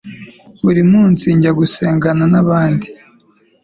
buri munsi njya gusengana nabandi